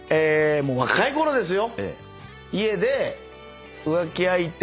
もう若いころですよ？